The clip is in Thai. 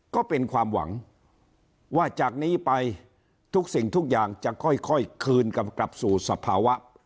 ก็เป็นความหวังว่าจากนี้ไปทุกสิ่งทุกอย่างจะค่อยคืนกลับสู่สภาวะ